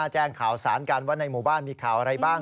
แจ้งข่าวสารกันว่าในหมู่บ้านมีข่าวอะไรบ้าง